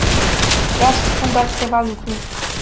Vreau să spun doar câteva lucruri.